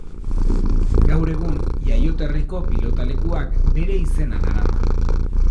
Gaur egun, jaioterriko pilotalekuak bere izena darama.